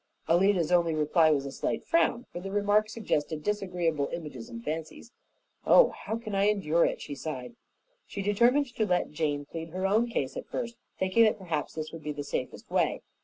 Alida's only reply was a slight frown, for the remark suggested disagreeable images and fancies. "Oh, how can I endure it?" she sighed. She determined to let Jane plead her own cause at first, thinking that perhaps this would be the safest way.